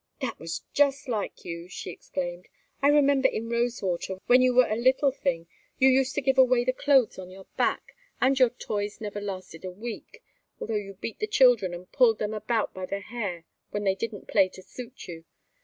"That was just like you!" she exclaimed. "I remember in Rosewater, when you were a little thing, you used to give away the clothes on your back, and your toys never lasted a week; although you beat the children and pulled them about by the hair when they didn't play to suit you.